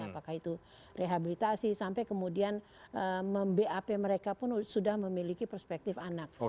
apakah itu rehabilitasi sampai kemudian membap mereka pun sudah memiliki perspektif anak